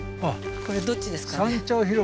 これどっちですかね。